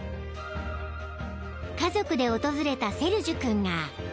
［家族で訪れたセルジュ君が］